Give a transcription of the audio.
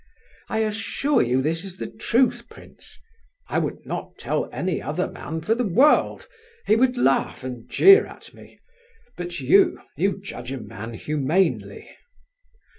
I assure you this is the truth, prince! I would not tell any other man for the world! He would laugh and jeer at me—but you, you judge a man humanely."